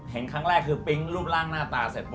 เห็นครั้งแรกคือปิ๊งรูปร่างหน้าตาเสร็จปุ